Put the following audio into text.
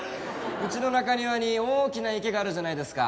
うちの中庭に大きな池があるじゃないですか。